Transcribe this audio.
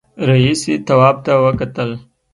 رئيسې تواب ته وکتل.